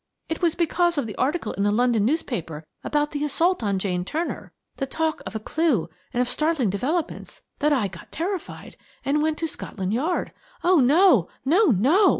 It was because of the article in the London newspaper about the assault on Jane Turner–the talk of a clue and of startling developments–that I got terrified, and went to Scotland Yard. Oh, no! no! no!